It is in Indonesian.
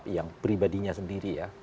karena pribadinya sendiri